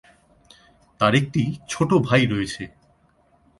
তার একটি ছোট ভাই রয়েছে।